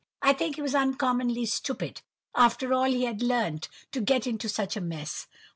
"I think he was uncommonly stupid, after all he had learnt, to get into such a mess.